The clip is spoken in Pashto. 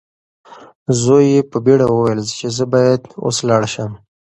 زوی یې په بیړه وویل چې زه باید اوس لاړ شم.